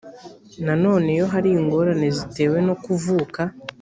nanone iyo hari ingorane zitewe no kuvuka